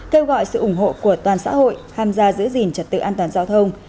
kêu gọi sự ủng hộ của toàn xã hội tham gia giữ gìn trật tự an toàn giao thông